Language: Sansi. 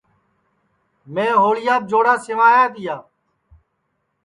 میں ہوݪیاپ جوڑا سیواں تیا